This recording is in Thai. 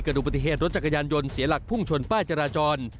ดูปฏิเหตุรถจักรยานยนต์เสียหลักพุ่งชนป้ายจราจร